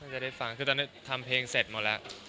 จะได้ฟังคือตอนนี้ทำเพลงเสร็จหมดแล้ว